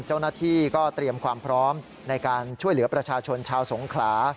เจ้าหน้าที่ก็เตรียมความพร้อมในการช่วยเหลือประชาชนชาวสงขลา